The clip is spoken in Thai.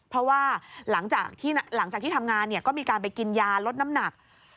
เพราะว่าหลังจากที่ทำงานก็มีการไปกินยาลดน้ำหนัก